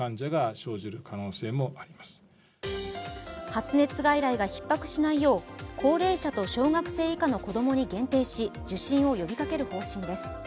発熱外来がひっ迫しないよう高齢者と小学生以下の子供に限定し受診を呼びかける方針です。